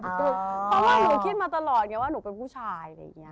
เพราะว่าหนูคิดมาตลอดว่าหนูเป็นผู้ชาย